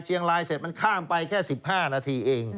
เชียงรายเสร็จมันข้ามไปแค่๑๕นาทีเอง